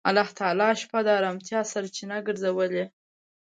الله تعالی شپه د آرامتیا سرچینه ګرځولې.